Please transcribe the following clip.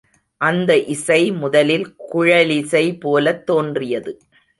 அந்த இசை, முதலில் குழலிசை போலத் தோன்றியது.